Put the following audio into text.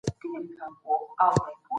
سياسي بصیرت د راتلونکي د ليدلو هنر دی.